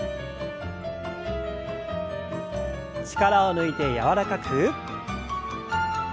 力を抜いて柔らかく。